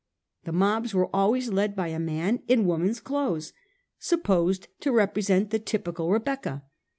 The mobs were always led by a man in woman's clothes, supposed to represent the typical Rebecca.